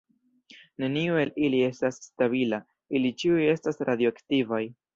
Neniu el ili estas stabila; ili ĉiuj estas radioaktivaj.